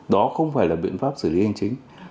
đó không phải là biện pháp xử lý hành chính